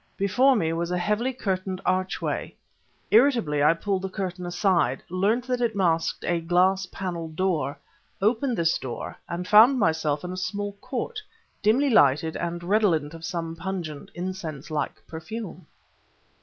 Before me was a heavily curtained archway. Irritably, I pulled the curtain aside, learnt that it masked a glass paneled door, opened this door and found myself in a small court, dimly lighted and redolent of some pungent, incense like perfume.